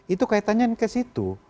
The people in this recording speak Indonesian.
itu kaitannya ke situ